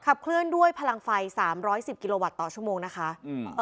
ขับเคลื่อนด้วยพลังไฟสามร้อยสิบกิโลวัตต์ต่อชั่วโมงนะคะอืม